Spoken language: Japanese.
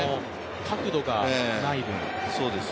角度がない分。